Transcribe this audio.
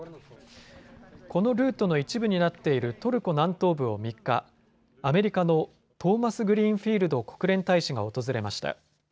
このルートの一部になっているトルコ南東部を３日、アメリカのトーマスグリーンフィールド国連大使が訪れました。